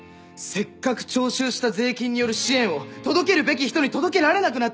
せっかく徴収した税金による支援を届けるべき人に届けられなくなってしまう！